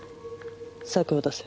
策を出せ。